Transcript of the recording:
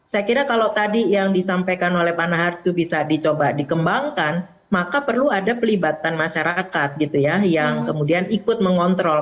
saya kira kalau tadi yang disampaikan oleh pak nahar itu bisa dicoba dikembangkan maka perlu ada pelibatan masyarakat gitu ya yang kemudian ikut mengontrol